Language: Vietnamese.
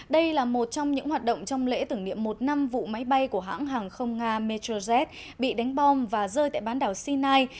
đây là một trong những hoạt động trong lễ tưởng niệm một năm vụ máy bay của hãng hàng không nga metrojet bị đánh bom và rơi tại bán đảo sinai